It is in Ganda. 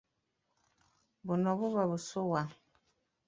Buno buba busuwa.